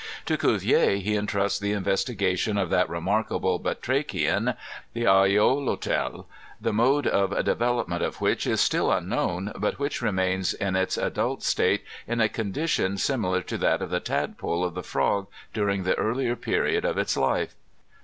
To Cuvier he entrusts the investigation of that remarkable Batrachian, the Aceolotel, ŌĆö the mode of development of which is still unknown, but which remains in its adalt state in a condition similar to that of the tadpole of the frog during the earlier period of its life.